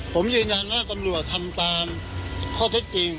ผมยืนยันว่าตำรวจทำตามข้อเท็จจริง